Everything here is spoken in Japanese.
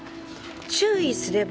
「注意すれば勝つ。